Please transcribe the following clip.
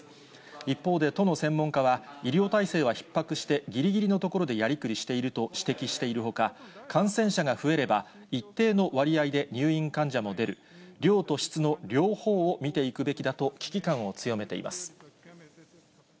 一方で都の専門家は、医療体制はひっ迫してぎりぎりのところでやりくりしていると指摘しているほか、感染者が増えれば、一定の割合で入院患者も量と質の両方を見ていくべきだと危機感を強めています。